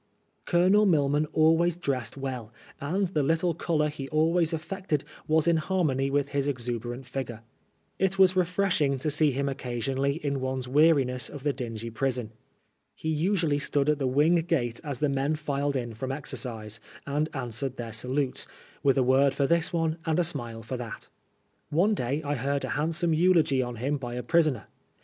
Colonel Milman always dressed well, and the little color he always affected was in harmony with his exube rant figure. It was refreshing to see him occasionally in one's weariness of the dingy prison. He usually stood at the wing gate as the men filed in from exercise, and answered their salutes, with a word for this one and a smile for that. One day I heard a handsome eulogy on him by a prisoner.